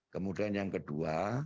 kemudian yang kedua